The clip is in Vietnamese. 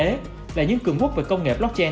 đó là những cường quốc về công nghệ blockchain